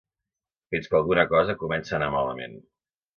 Fins que alguna cosa comença a anar malament.